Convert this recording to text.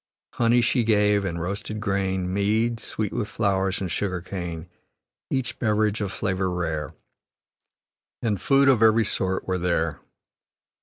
Honey she gave, and roasted grain, Mead, sweet with flowers, and sugar cane. Each beverage of flavor rare, And food of every sort, were there.